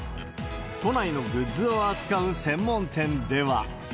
都内のグッズを扱う専門店では。